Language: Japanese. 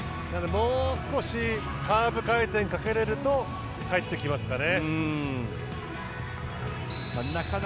もう少しカーブ回転かけれると入ってきますかね。